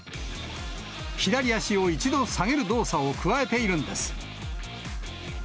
左足を一度下げる動作を加えているんです。